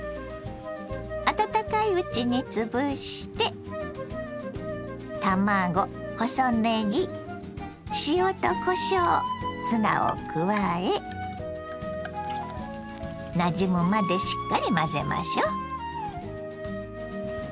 温かいうちにつぶして卵細ねぎ塩とこしょうツナを加えなじむまでしっかり混ぜましょう。